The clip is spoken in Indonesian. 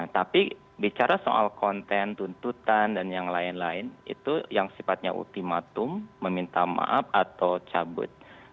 tapi bicara soal konten tuntutan dan yang lain lain itu yang sifatnya ultimatum meminta maaf atau cabut